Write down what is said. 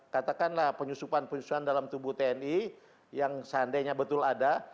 katakanlah penyusupan penyusupan dalam tubuh tni yang seandainya betul ada